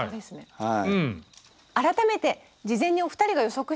はい。